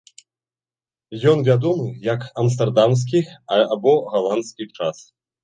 Ён вядомы як амстэрдамскі або галандскі час.